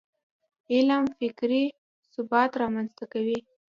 علم فکري ثبات رامنځته کوي.